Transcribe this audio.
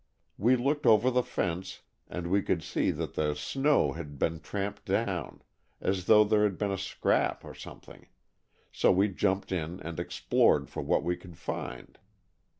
We looked over the fence and we could see that the snow had been tramped down, as though there had been a scrap or something, so we jumped in and explored for what we could find.